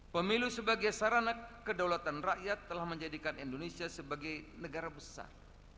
pemilu sebagai sarana kedaulatan rakyat telah menjadikan indonesia sebagai negara besar